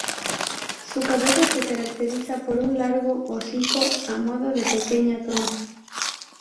Su cabeza se caracteriza por un largo hocico a modo de pequeña trompa.